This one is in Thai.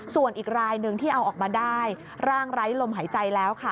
ส่วนอีกรายหนึ่งที่เอาออกมาได้ร่างไร้ลมหายใจแล้วค่ะ